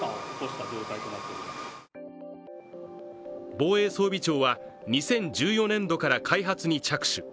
防衛装備庁は２０１４年度から開発に着手。